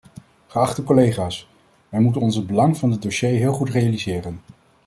Geachte collega's, wij moeten ons het belang van dit dossier heel goed realiseren.